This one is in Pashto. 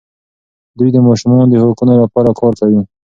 دوی د ماشومانو د حقونو لپاره کار کوي.